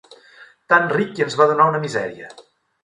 Tan ric i ens va donar una misèria!